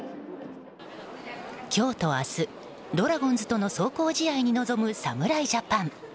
今日と明日、ドラゴンズとの壮行試合に臨む侍ジャパン。